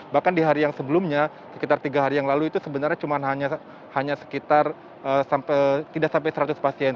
bahkan di hari yang sebelumnya sekitar tiga hari yang lalu itu sebenarnya cuma hanya sekitar tidak sampai seratus pasien